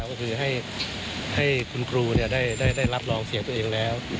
ก็คือให้คุณครูได้รับรองเสียงตัวเองแล้ว